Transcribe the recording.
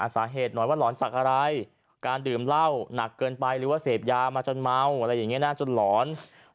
แต่ไม่จับไอ้เกิดพญาน